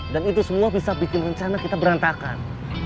dan itu semua bisa bikin rencana kita berantakan